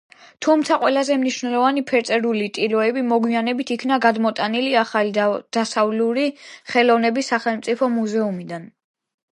თუმცა ყველაზე მნიშვნელოვანი ფერწერული ტილოები მოგვიანებით იქნა გადმოტანილი ახალი დასავლური ხელოვნების სახელმწიფო მუზეუმიდან.